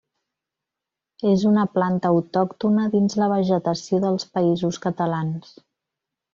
És una planta autòctona dins la vegetació dels Països Catalans.